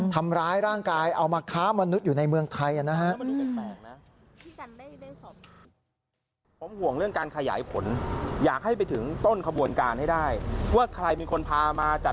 ทำร้ายร่างกายเอามาค้ามนุษย์อยู่ในเมืองไทยนะฮะ